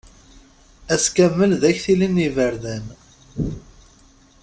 Ass kamel d aktili n yiberdan.